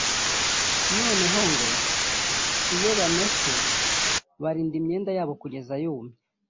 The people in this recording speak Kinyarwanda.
none ngo iyo bameshe barinda imyenda yabo kugeza yumye